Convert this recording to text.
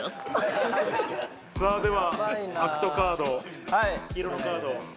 さぁではアクトカード黄色のカード。